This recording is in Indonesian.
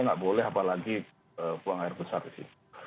nggak boleh apalagi buang air besar disitu